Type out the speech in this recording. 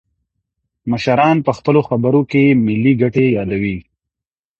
مشران په خپلو خبرو کي ملي ګټې يادوي.